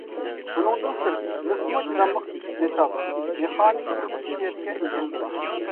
بۇنىڭدىن سىرت، مىسمۇ چىداملىق مېتال، مېخانىكىلىق خۇسۇسىيەتكە ئىگە.